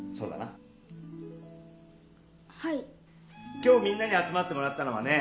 今日みんなに集まってもらったのはね